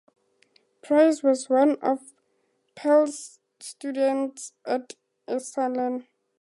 Price was one of Perls's students at Esalen.